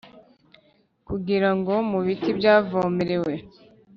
Kugira ngo mu biti byavomerewe